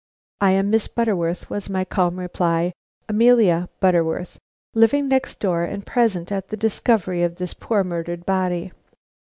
"I am Miss Butterworth," was my calm reply. "Amelia Butterworth. Living next door and present at the discovery of this poor murdered body."